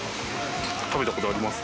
食べたことあります？